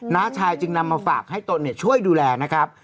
้าชายจึงนำมาฝากให้ตนช่วยดูแลนะครับ